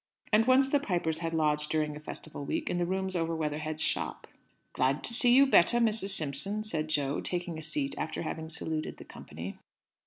And once the Pipers had lodged during a Festival week in the rooms over Weatherhead's shop. "Glad to see you better, Mrs. Simpson," said Jo, taking a seat after having saluted the company.